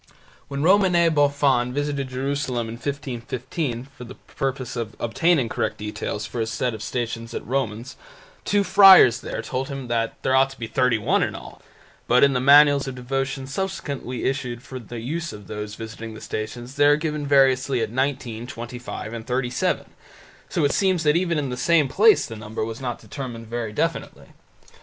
When Romanet Boffin visited Jerusalem in 1515 for the purpose of obtaining correct details for his set of Stations at Romans, two friars there told him that there ought to be thirty one in all, but in the manuals of devotion subsequently issued for the use of those visiting these Stations they are given variously as nineteen, twenty five, and thirty seven, so it seems that even in the same place the number was not determined very definitely.